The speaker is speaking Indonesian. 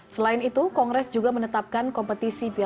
selain itu kongres juga menetapkan kompetisi biaya